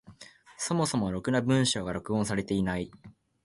そもそもろくな文章が録音されていない。